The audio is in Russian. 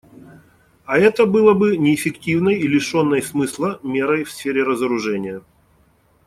А это было бы неэффективной и лишенной смысла мерой в сфере разоружения.